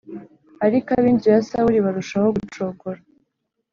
ariko ab’inzu ya Sawuli barushaho gucogora.